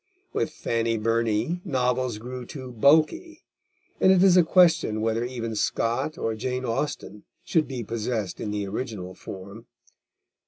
With Fanny Burney, novels grow too bulky, and it is a question whether even Scott or Jane Austen should be possessed in the original form.